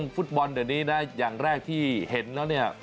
ฟุตบอลเดี๋ยวนี้นะอย่างแรกที่เห็นแล้วเนี่ย